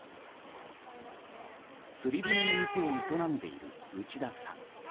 釣り船の店を営んでいる内田さん。